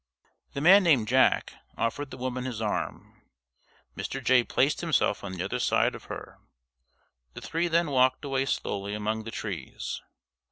The man named "Jack" offered the woman his arm. Mr. Jay placed himself on the other side of her. The three then walked away slowly among the trees.